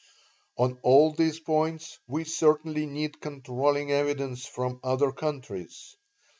"On all these points we certainly need controlling evidence from other countries.